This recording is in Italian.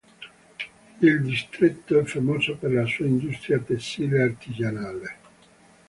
Il distretto è famoso per la sua industria tessile artigianale.